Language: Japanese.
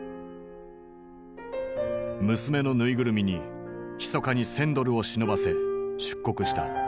娘の縫いぐるみにひそかに１，０００ドルを忍ばせ出国した。